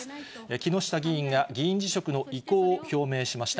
木下議員が議員辞職の意向を表明しました。